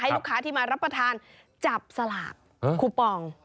ลูกค้าที่มารับประทานจับสลากคูปอง